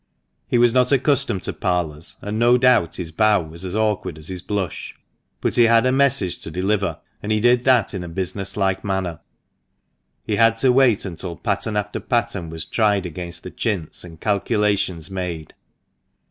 He was not accustomed to parlours, and no doubt his bow was as awkward as his blush ; but he had a message to deliver, and he did that in a business like manner. He had to wait until pattern after pattern was tried against the chintz, and calculations made.